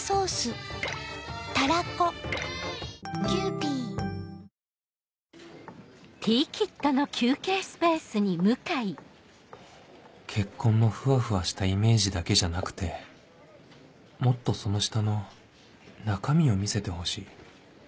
ＢＥＴＨＥＣＨＡＮＧＥ 三井不動産結婚のふわふわしたイメージだけじゃなくてもっとその下の中身を見せてほしい